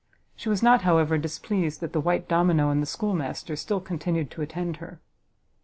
She was not, however, displeased that the white domino and the schoolmaster still continued to attend her.